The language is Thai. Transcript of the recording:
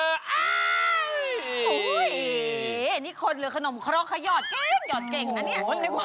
โอ้โหนี่คนหรือขนมเคราะเขาหยอดเก่งหอดเก่งนะเนี่ย